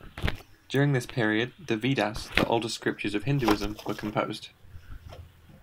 During this period the Vedas, the oldest scriptures of Hinduism, were composed.